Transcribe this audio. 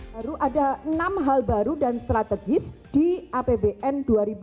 baru ada enam hal baru dan strategis di apbn dua ribu dua puluh